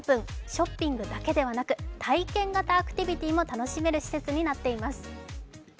ショッピングだけではなく体験型アクティビティーも楽しめる施設になっています。